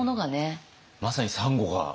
まさにサンゴが。